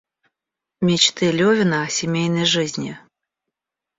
Мечты Левина о семейной жизни.